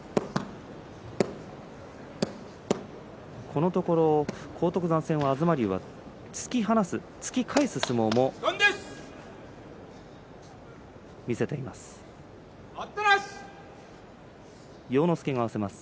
このところ荒篤山戦は東龍が突き放し突き返す相撲も見せています。